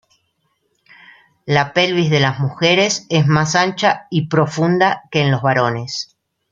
La pelvis de las mujeres es más ancha y profunda que en los varones.